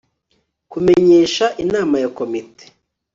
kumenyesha Inama ya komite